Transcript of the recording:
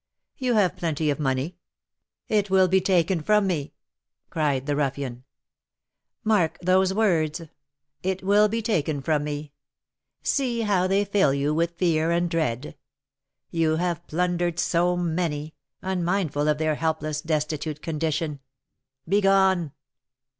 "You have plenty of money." "It will be taken from me!" cried the ruffian. "Mark those words, 'It will be taken from me!' See how they fill you with fear and dread! You have plundered so many, unmindful of their helpless, destitute condition, begone!"